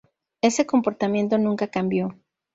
Este comportamiento nunca cambió.